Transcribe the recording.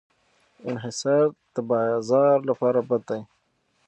انحصار د بازار لپاره بد دی.